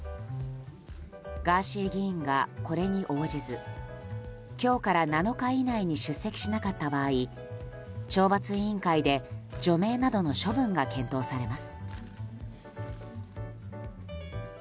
ガーシー議員がこれに応じず今日から７日以内に出席しなかった場合懲罰委員会で除名などの処分が検討されます。